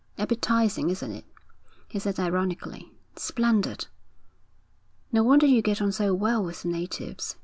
'Appetising, isn't it?' he said ironically. 'Splendid!' 'No wonder you get on so well with the natives.